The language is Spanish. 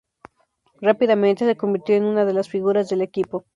Rápidamente se convirtió en una de las figuras del equipo.